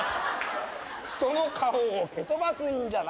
人の顔を蹴飛ばすんじゃないでしょ。